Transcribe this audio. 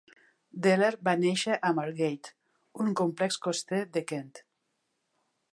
Deller va néixer a Margate, un complex coster de Kent.